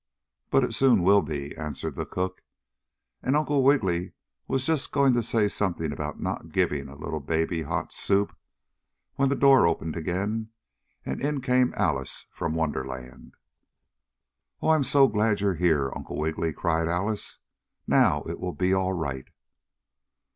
But it soon will be," answered the cook, and Uncle Wiggily was just going to say something about not giving a little baby hot soup, when the door opened again, and in came Alice from Wonderland. "Oh, I'm so glad you're here, Uncle Wiggily!" cried Alice. "Now it will be all right."